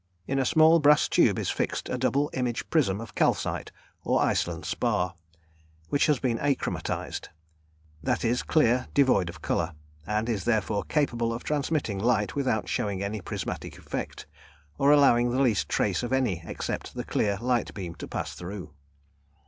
In a small, brass tube is fixed a double image prism of calcite or Iceland spar, which has been achromatised that is, clear, devoid of colour and is therefore capable of transmitting light without showing any prismatic effect, or allowing the least trace of any except the clear light beam to pass through.